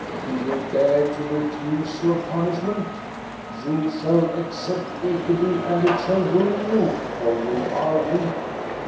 Do you dare to refuse your punishment ? You shall accept Ekeby, and it shall ruin you, for you are weak.